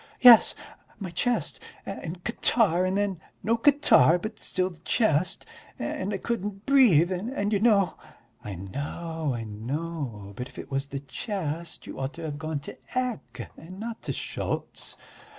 "Yes, my chest and catarrh and then no catarrh, but still the chest, and I couldn't breathe ... and you know...." "I know, I know. But if it was the chest you ought to have gone to Ecke and not to Schultz."